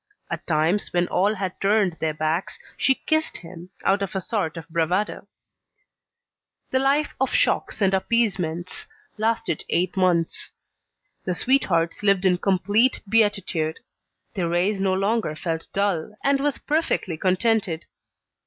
At times, when all had turned their backs, she kissed him, out of a sort of bravado. The life of shocks and appeasements, lasted eight months. The sweethearts lived in complete beatitude; Thérèse no longer felt dull, and was perfectly contented.